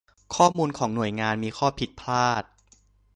ข้อมูลของหน่วยงานมีข้อผิดพลาด